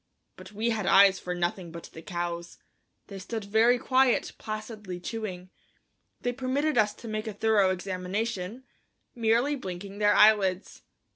But we had eyes for nothing but the cows; they stood very quiet, placidly chewing. They permitted us to make a thorough examination, merely blinking their eyelids.